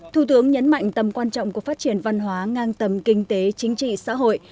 thủ tướng nhấn mạnh tầm quan trọng của phát triển văn hóa ngang tầm kinh tế chính trị xã hội